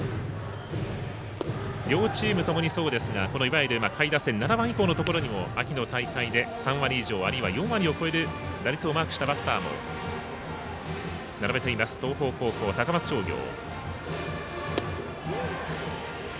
両チームともにそうですがいわゆる下位打線７番以降でも、秋の大会で３割以上、あるいは４割を超える打率をマークしたバッターも並べています東邦高校、高松商業。